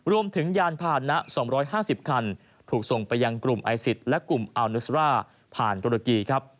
ยานผ่านนะ๒๕๐คันถูกส่งไปยังกลุ่มไอซิสและกลุ่มอัลนุสร่าผ่านตุรกี